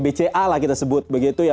bca lah kita sebut begitu ya